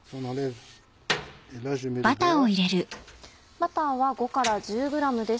バターは５から１０ｇです。